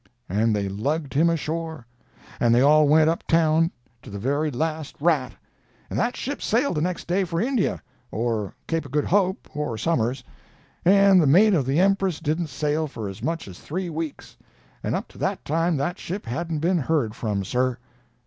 —and they lugged him ashore, and they all went up town to the very last rat—and that ship sailed the next day for India, or Cape o' Good Hope, or somewheres, and the mate of the Empress didn't sail for as much as three weeks, and up to that time that ship hadn't been heard from, sir!